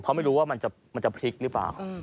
เพราะไม่รู้ว่ามันจะพลิกหรือเปล่า